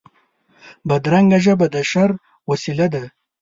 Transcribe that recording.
بدرنګه ژبه د شر وسیله ده